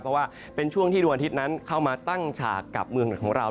เพราะว่าเป็นช่วงที่ดวงอาทิตย์นั้นเข้ามาตั้งฉากกับเมืองไหนของเรา